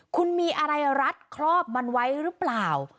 คุณมีอะไรรัดครอบมันไว้หรือเปล่า